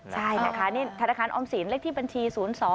ใช่นะคะนี่ธนาคารออมสินเลขที่บัญชี๐๒